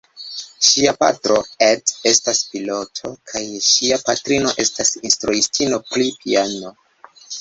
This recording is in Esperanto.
Ŝia patro, Ed, estas piloto kaj ŝia patrino estas instruistino pri piano.